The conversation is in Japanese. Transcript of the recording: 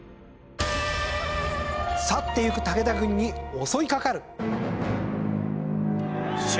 去って行く武田軍に襲いかかる。